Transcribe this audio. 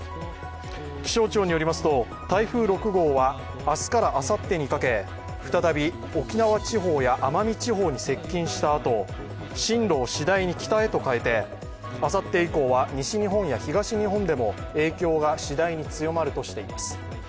気象庁によりますと、台風６号は明日からあさってにかけ再び、沖縄地方や奄美地方に接近したあと進路を次第に北へと変えてあさって以降は西日本や東日本でも影響がしだいに強まるとしています。